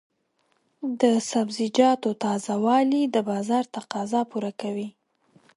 د سبزیجاتو تازه والي د بازار تقاضا پوره کوي.